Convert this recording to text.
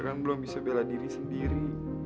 kan belum bisa bela diri sendiri